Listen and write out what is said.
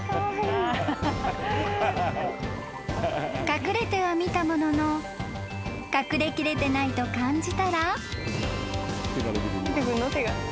［隠れてはみたものの隠れきれてないと感じたら］